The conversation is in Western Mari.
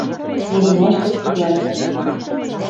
Веремӓштӹ сирӓлтем.